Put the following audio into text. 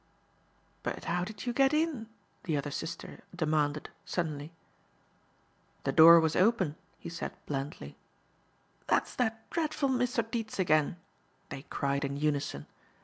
"But how did you get in?" the other sister demanded, suddenly. "The door was open," he said blandly. "That's that dreadful Mr. Dietz again," they cried in unison.